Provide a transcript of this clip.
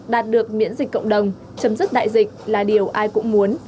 đạt được miễn dịch cộng đồng chấm dứt đại dịch là điều ai cũng muốn